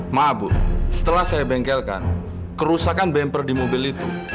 ma'am setelah saya bengkelkan kerusakan bemper di mobil itu